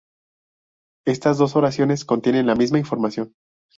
Estas dos oraciones contienen la misma información.